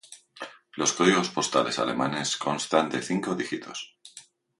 Los códigos postales alemanes constan de cinco dígitos.